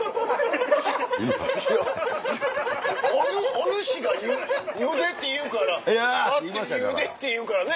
おぬしがゆでって言うからゆでって言うからね